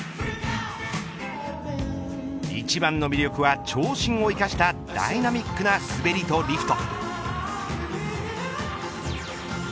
一番の魅力は長身を生かしたダイナミックな滑りとリフト。